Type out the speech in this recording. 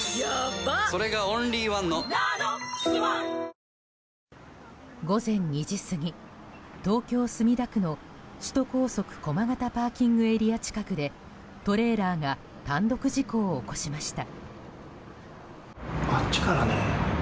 それがオンリーワンの「ＮＡＮＯＸｏｎｅ」午前２時過ぎ東京・墨田区の首都高速駒形ＰＡ近くでトレーラーが単独事故を起こしました。